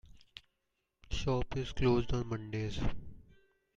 The shop is closed on Mondays.